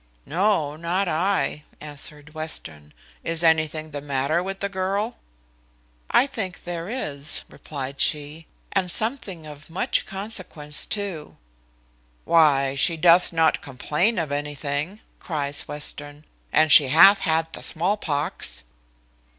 "No, not I," answered Western; "is anything the matter with the girl?" "I think there is," replied she; "and something of much consequence too." "Why, she doth not complain of anything," cries Western; "and she hath had the small pox."